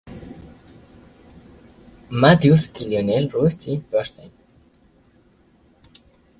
Mathews y Lionel 'Rusty' Bernstein.